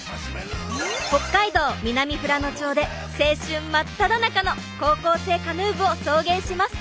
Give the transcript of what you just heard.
北海道南富良野町で青春まっただ中の高校生カヌー部を送迎します！